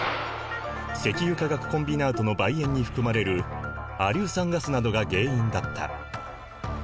石油化学コンビナートのばい煙に含まれる亜硫酸ガスなどが原因だった。